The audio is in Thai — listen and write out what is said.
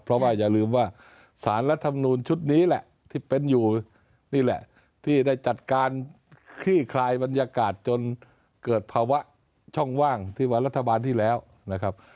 เพราะว่าอย่าลืมว่าสารรัฐมนูลชุดนี้แหละที่เป็นอยู่นี่แหละที่ได้จัดการคลี่คลายบรรยากาศจนเกิดภาวะช่องว่างที่วันรัฐบาลที่แล้วนะครับ